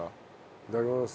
いただきます。